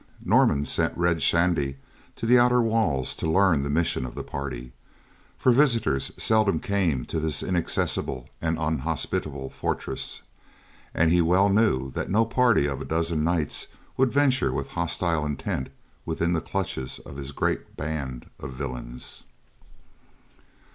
Norman sent Red Shandy to the outer walls to learn the mission of the party, for visitors seldom came to this inaccessible and unhospitable fortress; and he well knew that no party of a dozen knights would venture with hostile intent within the clutches of his great band of villains.